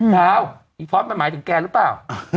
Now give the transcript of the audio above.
แล้วพอร์ตบอกมาหมายถึงแกรึเปล่า